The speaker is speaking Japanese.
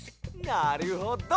なるほど！